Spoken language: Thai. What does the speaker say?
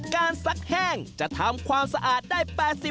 ซักแห้งจะทำความสะอาดได้๘๐